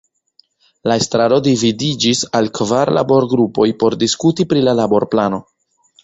La estraro dividiĝis al kvar laborgrupoj por diskuti pri la laborplano.